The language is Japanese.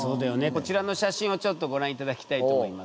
こちらの写真をちょっとご覧いただきたいと思います。